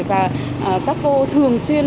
và các cô thường xuyên